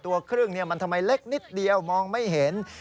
ตัวครึ่งมันทำไมเล็กนิดเดียวมองไม่เห็น